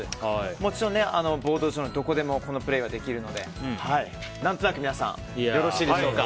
もちろんボード上のどこでもプレーはできるので何となく皆さんよろしいでしょうか。